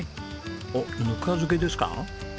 おっぬか漬けですか？